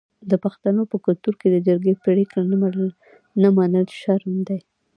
د پښتنو په کلتور کې د جرګې پریکړه نه منل شرم دی.